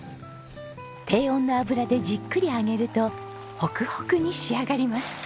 低温の油でじっくり揚げるとホクホクに仕上がります。